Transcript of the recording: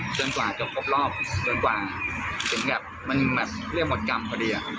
กว่าจะครบรอบจนกว่าถึงแบบมันแบบเรียกหมดกรรมพอดี